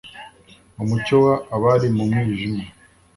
umucyo w abari mu mwijima